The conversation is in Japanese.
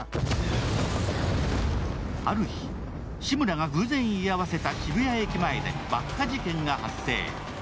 ある日、志村が偶然居合わせた渋谷駅前で爆破事件が発生。